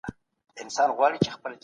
هغه لاري چي څېړونکی یې لټوي ګټورې دي.